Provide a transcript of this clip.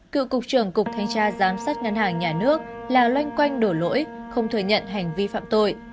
cựu cục trưởng cục thanh tra giám sát ngân hàng nhà nước là loanh quanh đổ lỗi không thừa nhận hành vi phạm tội